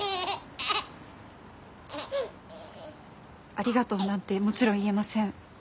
ありがとうなんてもちろん言えません。